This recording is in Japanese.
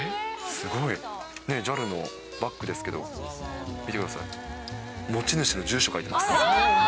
ＪＡＬのバッグですけど、見てください、持ち主の住所書いてます。